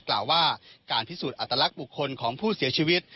กล่าวว่าการพิสูจน์อัตลักษณ์บุคคลของผู้เสียชีวิต